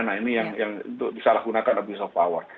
nah ini yang disalahgunakan abuse of power